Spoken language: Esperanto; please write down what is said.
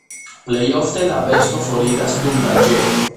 Plejofte la besto foriras dum danĝero.